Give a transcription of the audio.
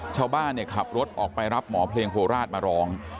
ชาวบ้านขับรถออกไปรับหมอเพลงโคราชมาร้อง